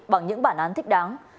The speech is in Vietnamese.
bằng những bản án thích đáng